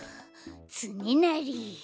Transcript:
つねなり。